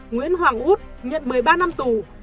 nguyễn hoàng út nhận một mươi ba năm tù